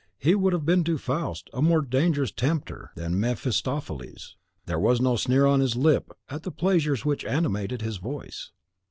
He would have been to Faust a more dangerous tempter than Mephistopheles. There was no sneer on HIS lip at the pleasures which animated his voice.